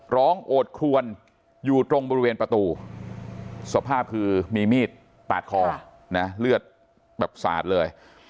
โอดครวนอยู่ตรงบริเวณประตูสภาพคือมีมีดปาดคอนะเลือดแบบสาดเลย